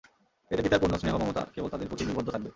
এতে পিতার পূর্ণ স্নেহ-মমতা কেবল তাদের প্রতিই নিবদ্ধ থাকবে।